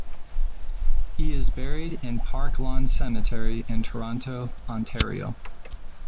He is buried in Park Lawn cemetery in Toronto, Ontario.